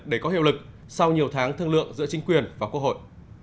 để có hiệu lực sau nhiều tháng thương lượng giữa chính quyền và quốc hội